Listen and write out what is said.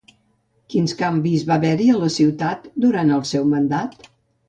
Quins canvis va haver-hi a la ciutat durant el seu mandat?